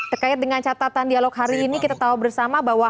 terkait dengan catatan dialog hari ini kita tahu bersama bahwa